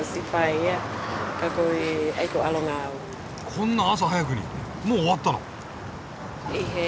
こんな朝早くにもう終わったの？